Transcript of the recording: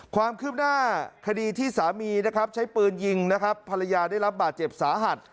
ความคืบหน้าคดีที่สามีใช้ปืนยิงภรรยาได้รับบาดเจ็บสาหัส